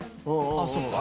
あっそっか。